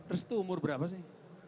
restu umur berapa sih